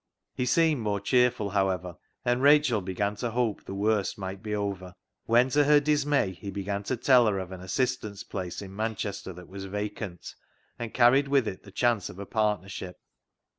He seemed more cheerful, however, and Rachel began to hope the worst might be over ; when, to her dismay, he began to tell her of an assistant's place in Manchester that was vacant, and carried with it the chance of a partnership.